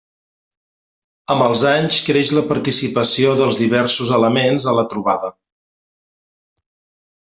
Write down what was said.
Amb els anys creix la participació dels diversos elements a la trobada.